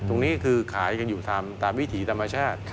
ตรงนี้คือขายกันอยู่ตามวิถีธรรมชาติ